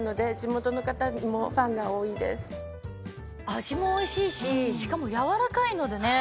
味もおいしいししかもやわらかいのでね